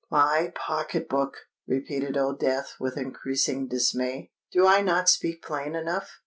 "My pocket book!" repeated Old Death, with increasing dismay. "Do I not speak plain enough?"